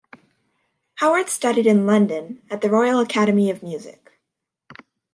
Howard studied in London, at the Royal Academy of Music.